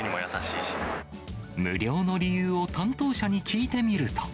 無料の理由を担当者に聞いてみると。